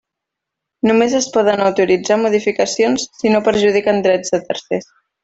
Només es poden autoritzar modificacions si no perjudiquen drets de tercers.